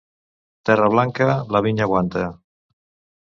Terra blanca, la vinya aguanta.